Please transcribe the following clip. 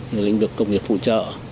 như lĩnh vực công nghiệp phụ trợ